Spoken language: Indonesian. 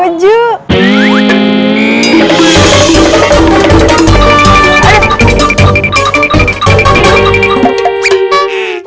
ustaz sedang pukul